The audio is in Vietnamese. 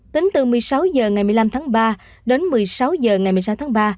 tính từ một mươi sáu h ngày một mươi năm tháng ba đến một mươi sáu h ngày một mươi sáu tháng ba